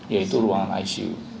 yaitu ruangan icu